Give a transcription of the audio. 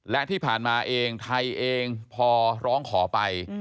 และที่ผ่านมาเองไทยเองพอร้องขอไป